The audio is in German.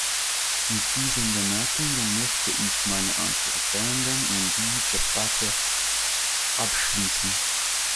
Mit diesen Bemerkungen möchte ich meine Antwort beenden und die Debatte abschließen.